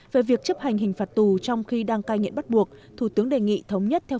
về việc chấp hành hình phạt tù trong khi đang cai nghiện bắt buộc thủ tướng đề nghị thống nhất theo